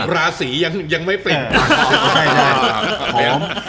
ราศียังไม่เป็น